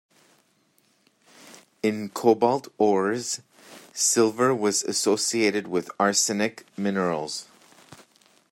In Cobalt ores, silver was associated with arsenic minerals.